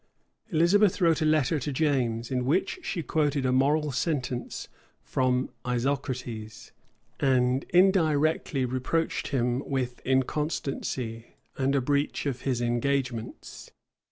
[*] Elizabeth wrote a letter to James, in which she quoted a moral sentence from Isocrates, and indirectly reproached him with inconstancy, and a breach of his engagements.